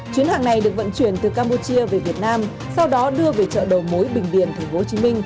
chuyến hàng này được vận chuyển từ campuchia về việt nam sau đó đưa về chợ đầu mối bình điền tp hcm